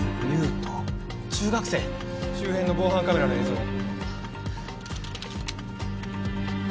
周辺の防犯カメラの映像を！